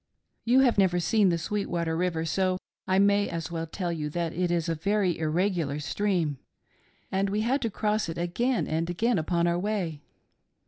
" You have never seen the Sweetwater river, so I may as well tell you that it is a very irregular stream, and we had to cross it again and again upon our way.